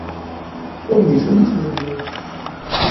Oh il est joli ce jeu de mots…